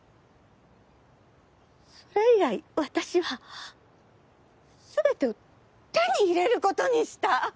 それ以来私はすべてを手に入れることにした！